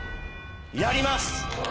やります！